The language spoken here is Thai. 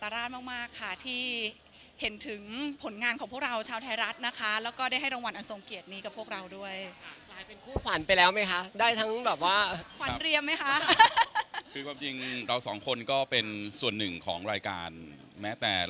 เราก็จะเป็นหน้าศาสนคือ